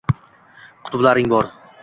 qutblaring bor.